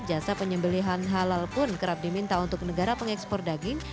jasa penyembelihan halal pun kerap diminta untuk negara pengekspor daging